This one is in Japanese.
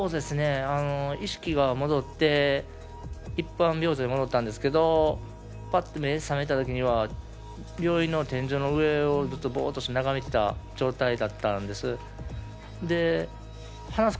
意識が戻って一般病棟に戻ったんですけどぱっと目覚めたときには病院の天井の上をずっと、ボーっと眺めていた状態だったんです。